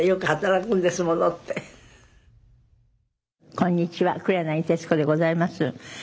こんにちは黒柳徹子でございます。